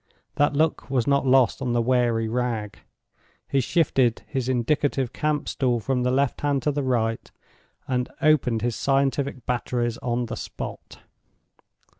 That look was not lost on the wary Wragge. He shifted his indicative camp stool from the left hand to the right, and opened his scientific batteries on the spot.